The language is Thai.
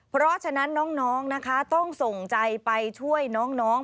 เพราะฉะนั้นน้องนะคะต้องส่งใจไปช่วยน้อง